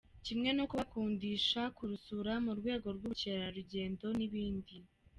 kimwe no kubakundisha kurusura mu rwego rw’ubukerarugendo n’ibindi.